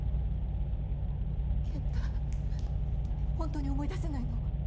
健太ホントに思い出せないの？